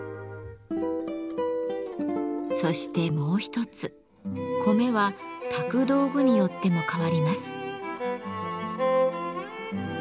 そしてもう一つ米は炊く道具によっても変わります。